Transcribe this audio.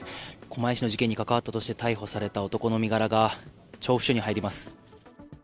狛江市の事件に関わったとして逮捕された男の身柄が、調布署に入ります。